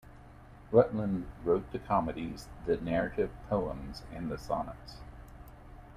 Rutland wrote the comedies, the narrative poems and the sonnets.